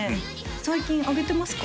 最近あげてますか？